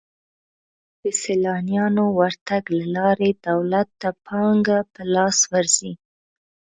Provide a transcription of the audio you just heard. د سیلانیانو ورتګ له لارې دولت ته پانګه په لاس ورځي.